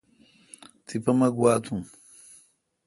تی پہ مہ گواؙ تھم۔